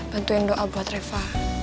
bantuin doa buat reva